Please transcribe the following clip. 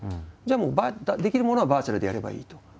じゃあもうできるものはバーチャルでやればいいと。